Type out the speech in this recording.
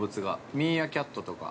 ミーアキャットとか。